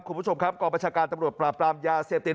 คุณผู้ชมครับกองประชาการตำรวจปราบปรามยาเสพติด